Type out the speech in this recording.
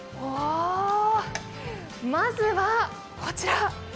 まずはこちら。